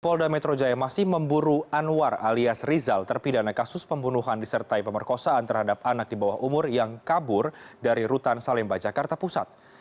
polda metro jaya masih memburu anwar alias rizal terpidana kasus pembunuhan disertai pemerkosaan terhadap anak di bawah umur yang kabur dari rutan salemba jakarta pusat